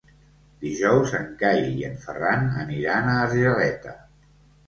Dijous en Cai i en Ferran aniran a Argeleta.